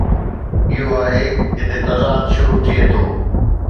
اهو آهي جتي تضاد شروع ٿئي ٿو.